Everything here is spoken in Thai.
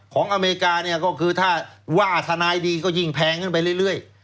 อเมริกาเนี่ยก็คือถ้าว่าทนายดีก็ยิ่งแพงขึ้นไปเรื่อย